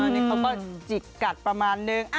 นี่เขาก็จิกกัดประมาณนึง